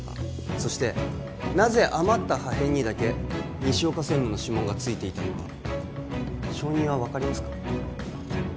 そしてなぜ余った破片にだけ西岡専務の指紋がついていたのか証人は分かりますか？